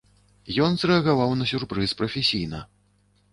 Ён зрэагаваў на сюрпрыз прафесійна.